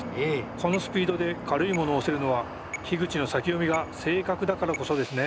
このスピードで軽いものを押せるのは樋口の先読みが正確だからこそですね。